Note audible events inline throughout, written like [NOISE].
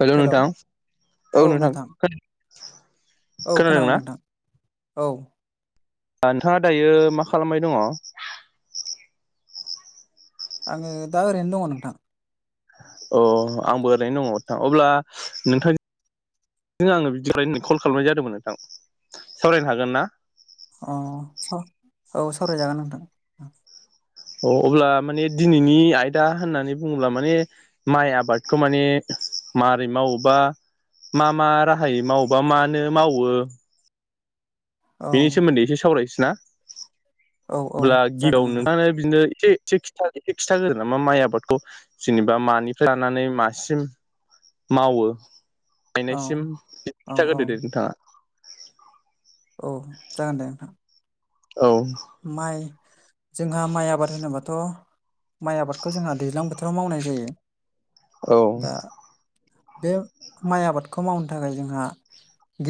Hello नोंथां औ नोंथां औ खोनादों खोनादोंना नोंथां औ नोंथाङा दायो मा खालामबाय दङ आङो दा ओरैनो दङ नोंथां अ आंबो ओरैनो दङ नोंथ अब्ला नोंथां जों आङो [UNINTELLIGIBLE] कल खालामनाय जादोंमोन नोंथां सावरायनो हागोन ना अ औ सावरायजागोन नोंथां अ अब्ला माने दिनैनि आयदा होननानै बुङोब्ला माने माइ आबादखौ माने मारै मावोबा मा मा राहाय मावबा मानो मावो औ बेनि सोमोन्दै एसे सावरायसै ना? औ औ अब्ला जागोन गिबियाव नोंथां नोंथाङनो बिदिनो एसे एसे खिथा एसे खिथाागोगोन नामा माइ आबादखौ जेनेबा मानिफ्राय लानानै मासिम मावो औ गायनायसिम औ औ खिथाग्रोदो दे नोंथाङा औ जागोन दे नोंथां औ माइ जोंहा माइ आबाद होनोबाथ' माइ आबादखौ जोंहा दैज्लां बोथोराव मावनाय जायो औ दा बे माइ आबादखौ मावनो थाखाय जोंहा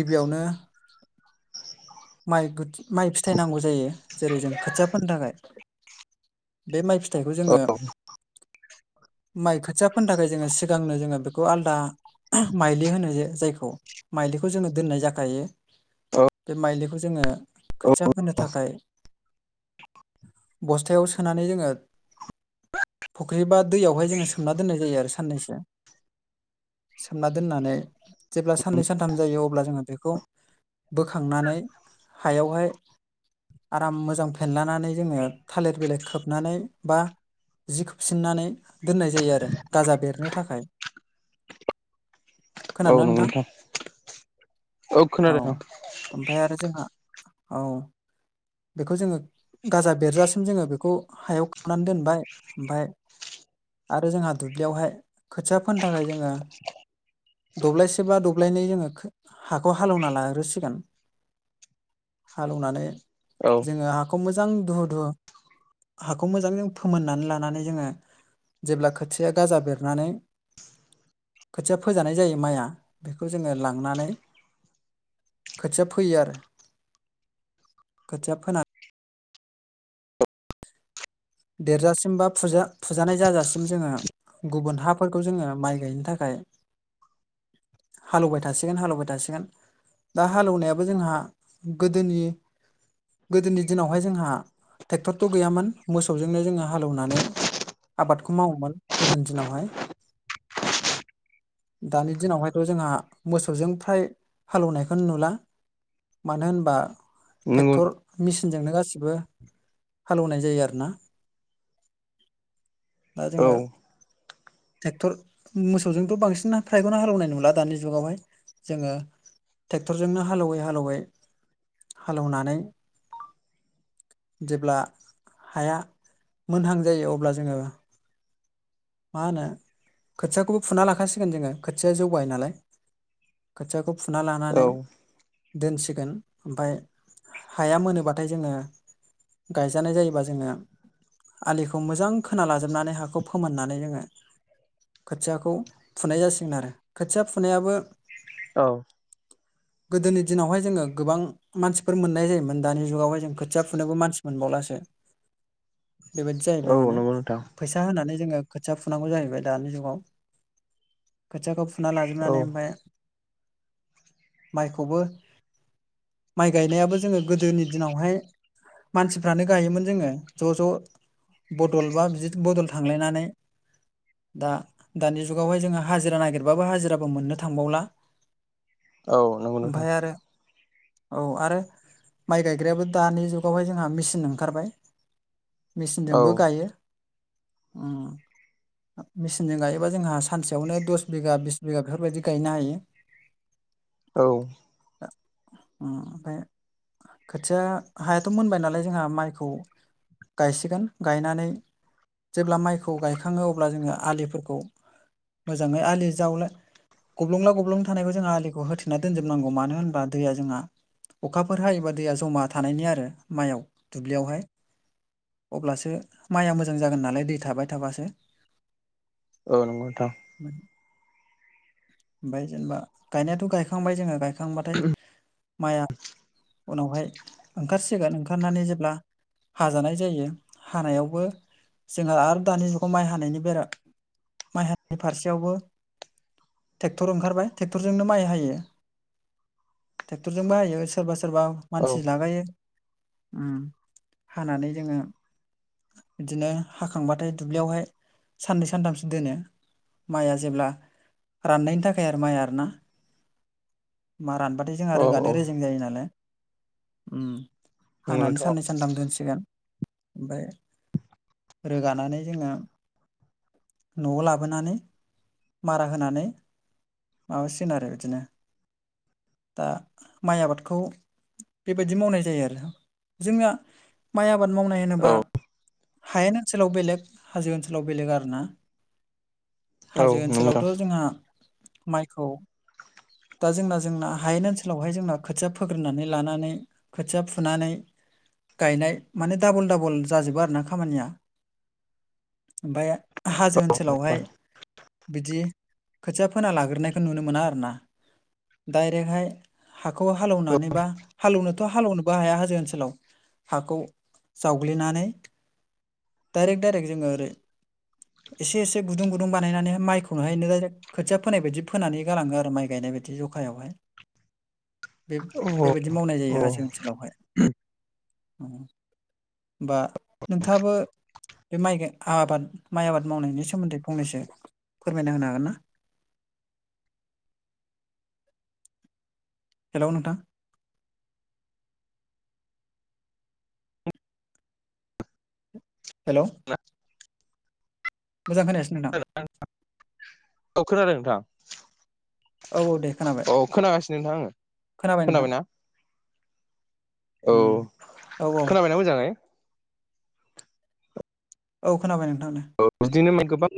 गिबियावनो माइ माइ फिथाइ नांगौ जायो जेरै जों खोथियाफोरनि थाखाय बे माइ फिथाइखौ जोङो औ माइ खोथियाफोरनि थाखाय जोङो सिगांनो जोङो बे बेखौ आलदा माइलि होनो जा-जायखौ माइलिखौ जोङो दोननाय जाखायो औ बे माइलिखौ जोङो औ खोथिया फोनो थाखाय बस्थायाव सोनानै जोङो फुख्रि बा दैयावहाय जोङो सोमना दोननाय जायो आरो साननैसो सोमना दोननानै जेब्ला साननै सानथाम जायो अब्ला जोङो बेखौ बोखांनानै हायावहाय आराम मोजां फेनलानानै जोङो थालिर बिलाइ खोबनानै बा जि खोबफिननानै दोननाय जायो आरो गाजा बेरनो थाखाय औ खोनादोंना नंगौ नोंथां औ ओमफ्राय आरो जोंहा औ बेखौ जोङो गाजा बेरजासिम जोङो बेखौ हायाव खुरनानै दोनबाय ओमफफ्राय आरो जोंहा दुब्लियावहाय खोथिया फोनो थाखाय जोङो दब्लायसे बा दब्लायनै जोङो हाखौ हालेवना लागोसिगोन हालौवनानै औ जोङो हाखौ मोजां दुहु दुहु हाखौ मोजां ज फोमोननानै लानानै जोङो जेब्ला खोथिया गाजा बेरनानै खोथिया फोजानाय जायो माइआ बेखौ जोङो लांनानै खोथिया फैयो आरो खोथिया फोन देरजासिम बा फुजा फुजानाय जाजासिम जोङो गुबुन हाफोरखौ जोङो माइ गायनो थाखाय हालेबाय थासिगोन हालेवबाय थासिगोन। दा हालेवनायाबो जोंहा गोदोनि गोदोनि दिनावहाय जोंहा ट्रेक्टरथ' गैयामोन। मोसौजोंनो जोङो हालौवनानै आबादखौ मावोमोन गोदोनि दिनावहाय [INAUDIBLE] दानि दिनावहायथ' जोंहा मोसौजों फ्राय हालेवनायखौ नुला मानो होनबा नंगौ ट्रेक्टर मेसिनजोंनो गासिबो हालौवनाय जायो आरो दा औ जोङो ट्रेक्टर मोसौजोंथ' बांसिन फ्रायग'ना हालेवनाय नुला दानि जुगावहाय जोङो ट्रेक्टरजोंनो हालौवै हालेवै हालेवनानै जेब्ला हाया मोनहां जायो अब्ला जोङो मा होनो खोथियाखौबो फुना लाखाासिगोन जोङो खोथिया जौगायो नालाय खोथियाखौ फुना औ लानानै दोनसिगोन ओमफफ्राय हाया मोनोब्लाथाय जोङो गायजानाय जायोबा जोङो आलिखौ मोजां खोना लाजोबनानै हाखौ फोमोननानै जोङो खोथियाखौ फुनाय जासिगोन आरो खोथिया फुनायाबो औ गोदोनि दिनावहाय जोङो गोबां मानसिफोर मोननाय जायोमोन दानि जुगावहाय जों खोथिया फुनोबो मानसि मोनबावलासो [INAUDIBLE] बेबायदि औ जाहैबाय माने नंगौ नोंथां फैसा होनानै जोङो खोथिया फुनांगौ जाहैबाय दानि जुगाव खोथियाखौ फुना औ लाजोबनानै ओमफ्राय माइखौबो माइ गायनायाबो जोङो गोदोनि दिनावहाय मानसिफ्रानो गायोमोन जोङो ज' ज' बदल बा बिदि बदल थांलायनानै दा दानि जुगावहाय जोङो हाजिरा नागिरबाबो हाजिराबो मोननो थांबावला औ नंगौ नोंथां भायार औ आरो माइ गायग्रायाबो दानि जुगावहाय जोंहा मेचिन ओंखारबाय औ मेचिनजोंबो गायो मेचनजों गायोबा जोंहा सानसेयावनो दस बिगा बिस बिगा बेफोरबायदि गायनो हायो। औ ओमफ्राय खोथिया हायाथ' मोनबाय नालाय जोंहा माइखौ गायसिगोन गायनानै जेब्ला माइखौ गायखांोन थाङो अब्ला जोङो आलिफोरखौ मोजाङै आलि जावनो गब्लुंला गब्लुं थानायखौ जोंो आलिखौ होथेना दोनजोबनांगौ मानो होनबा दैया जोंहा अखाफोर हायोबा दैया जमा थानायनि आरो माइयाव दुब्लियावहाय अब्लासो माइया मोजां जागोन नालाय दै थाबाय थाबासो औ नंगौथां ओमफफ्राय जेनेबा गायनायाथ' गायखांबाय जोङो गायां खांबाथाय माइआ उनावहाय ओंखारसिगोन ओंखारनानै जेब्ला हाजानाय जायो हानायावबो जोंहा आरो दानि जु खौ माइ हानायनि बेरा माइ हनि फारसेयावबो ट्रेक्टर ओंखारबाय ट्रेक्टरजोंनो माइ हायो ट्रेक्टरजों बाहायो सोरबा सोरबा औ मानसि लागायो हानानै जोङो बिदिनो हाखांबाथाय दुब्लियावहाय साननै सानथामसो दोनो माइआ जेब्ला राननायनि थाखाय आरो माइ आर ना मा रानबा द जोंहा रोगानो औ रेजें जायो नालाय नंगौ हानानै नोंथां औ साननै सानथाम दोनसिगोन ओमफ्राय रोगानानै जोङो न'आव लाबोनानै मारा होनानै माबासिन आरो बिदिनो दा माइ आबादखौ बेबायदि मावनाय जायो आरो जोंना माइ आबाद मावनाय होनोबा हायेन ओनसोलाव बेलेग हाजो ओनसोलाव बेलेग आरोना हाजो ओनसोलावथ' जोंहा माइखौ दा जोंना जोंना हायेन ओनसोलावहाय जोंना खोथिया फोग्रोननानै लानानै खोथिया फुनानै गायनाय माने डाबल डाबल जाजोबो आरो ना खामानिया ओमफ्राय हाजो ओनसोलावहाय बिदि खोथिया फोना लाग्रोनायखौ नुनो मोना आरोना डाइरेक्टहाय हाखौ हालेवनानै बा हालौनो थ' हालेवनोबो हाया हाजो ओनसोलाव हाखौ जावग्लिनानै दाइारिेक दाइारिेक जों आरो एसे एसे गुदुं गुदुं बानायनानै माइखौनो हायनो राइरक खोथिया फोनाय बायदि फोनानै गाङो आरो माइ गायनाय बायदि जखायावहाय [UNINTELLIGIBLE] बे बेबायदि मावनाय जायो हाजो ओनसोलावहाय बा नोंथाङाबो बे माइ आबाद माइ आबाद मावनायनि सोमोन्दै फंनैसो फोरमायना होनो हागोन ना हेल' नोंथां हेल' मोजां होनायाससि नोंदां औ खोनादों नोंथां औ औ दे खोनाबाय औ खोनागासिनो नोंथां आङो खोनाबाय नोंथां खोनाबायना औ उम औ औ खोनाबायना मोजाङै औ खोनाबाय नोंथां औ बिदिनो माइ गोबां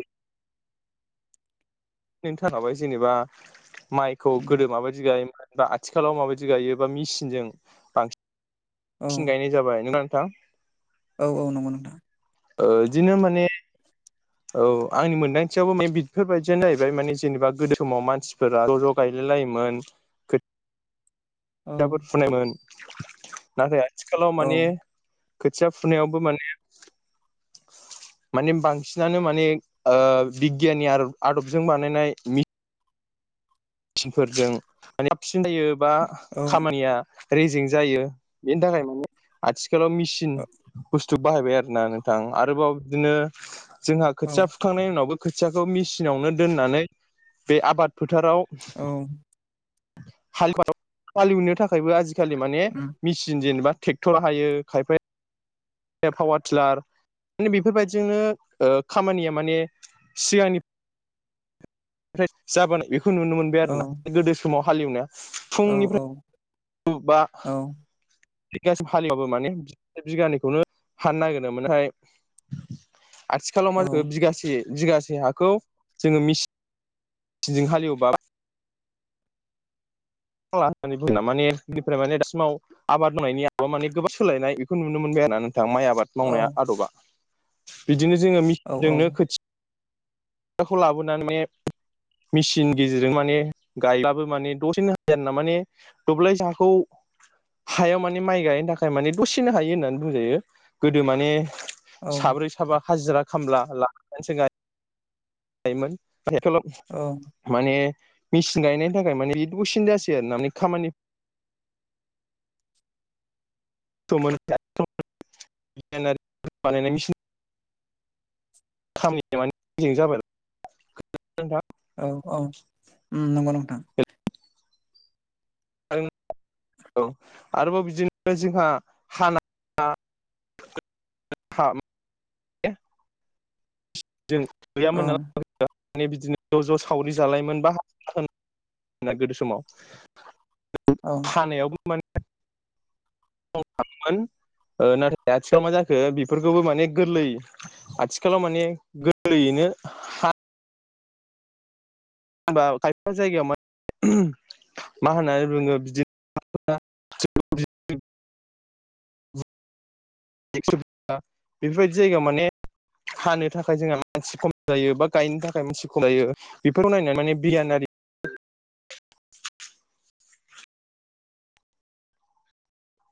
जेनेबा माइखौ उम गोदो माबायदि गाय आथिखालाव माबायदि गायोबा मेसिनजों औ थिन गायनाय जाबाय ना नोंथां औ औ नंगौ नोंथां बिदिनो माने औ आंनि मोनदांथियावबो बेफोरबायदियानो जाहैबाय माने जेनेबा गोदो समाव मानसिफोरा ज' ज' बायलाय लायोमोन औ जोबोद फुनायमोन नाथाय आथिखालाव औ माने खोथिया फुनायावबो माने माने बांसिनानो माने बिगियाननि आदबजों बानायनाय मि सिनफोरजों मानि थाबसिन जायो बा औ खामानिया रेजें जायो बेनि थाखाय माने आथिखालाव मेसिन बु बाहायबाय आरोना नोंथां आरोबाव बिदिनो जोंहा औ औ खोथिया हुखांनायनि उनावबो खोथियाखौ मेसिनावनो दोननानै बे आबाद फोथाराव औ हाल एवनो थाखायबो आजिखालि माने उम मेसिन जेनेबा ट्रेक्टर हायो खायफाया पावार टिलार माने बेफोरबायदिजोंनो खामानिया माने सिगांनि जाबोनाय बेखौ नुनो मोनबाय औ आरोना गोदो समाव हालेवनाया औ फुंनिफ्राय बा औ बिगासिम हालिबाबो माने बिगानैखौनो हानो नागिरो मानेहाय आथिखालाव औ मा जाखो बिगासे बिगासे हाखौ जोङो मिसिन हाले एवोबा होननानै बुना माने बेनिफ्राय माने दासिमाव आबाद मावनायनि आबा माने गोबां सोलायनाय बेखौ नुनो मोनबाय आरो ना नोंथां माइ आबाद मावनाया औ आदबा बिदिनो जोङो औ मिसिनजोंनो खोथि लाबोनानै मेसिननि गेजेरजों माने गायब्लाबो माने दसेनो हायो आरोना माने दब्लायसे हाखौ हायाव माने माइ गायनो थाखाय माने दसेनो हायो होननानै बुंजायो गोदो माने साब्रै साबा हाजिरा खामला ला [UNINTELLIGIBLE] औ माने मेचिन गायनायनि थाखाय माने [UNINTELLIGIBLE] [INAUDIBLE] नोंथां औ-औ ओम नंगौ नोंथां औ आरोबाव बिदिनो जोंहा हाना जों औ गैयामोन नालाय माने बिदिनो ज' ज' सावरि जालायोन बा [UNINTELLIGIBLE] गोदो समाव [INAUDIBLE] औ हानायावबो माने [UNINTELLIGIBLE] नाथाय आथिखालाव मा जाखो बेफोरखौबो माने गोरलै आथिखालाव माने गोलैयैनो होनबा खायफा जायगायाव मा मा होननानै बुङो बिदि एक्स' बेफोरबायदि जायगायाव माने हानो थाखाय जोंहा मानसि खम जायो बा गायनो थाखाय मानसि खम जायो। बेफोराव नायनानै माने बियानारि